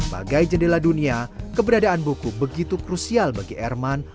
bagai jendela dunia keberadaan buku begitu krusial bagi herman